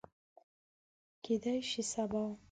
کیدای شي سبا